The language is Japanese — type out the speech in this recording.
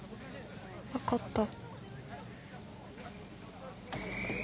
わかった。